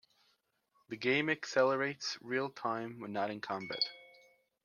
The game accelerates real time when not in combat.